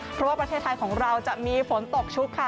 เพราะว่าประเทศไทยของเราจะมีฝนตกชุกค่ะ